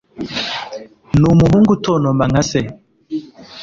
N'umuhungu utontoma nka se